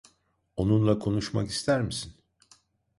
Onunla konuşmak ister misin?